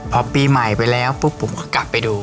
พอปีใหม่ไปแล้วปุ๊บผมก็กลับไปดู